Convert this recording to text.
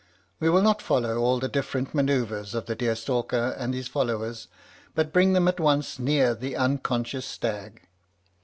We will not follow all the different manoeuvres of the deer stalker and his followers, but bring them at once near the unconscious stag.